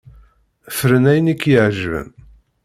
Fren ayen i k-iεeǧben.